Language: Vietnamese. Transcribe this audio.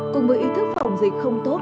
cùng với ý thức phòng dịch không tốt